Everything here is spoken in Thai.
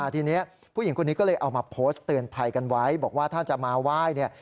ทีนี้ผู้หญิงคนนี้ก็เลยเอามาโพสต์เตือนภัยกันไว้บอกว่าถ้าจะมาไหว้เนี่ย